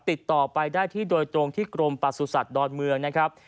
ติดต่อไปได้ที่โดยตรงที่กรมประสุทธิ์ดอนเมืองนะครับ